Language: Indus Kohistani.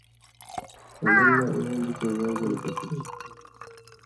اَمِلا اِوَیں بِڅَیں زئ گولہ پشی چھی“۔